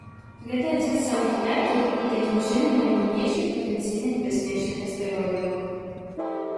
Гэта адзін з самых яркіх і, такім чынам, найбуйнейшых патэнцыйна небяспечных астэроідаў.